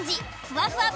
ふわふわ